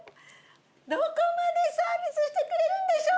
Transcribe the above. どこまでサービスしてくれるんでしょう？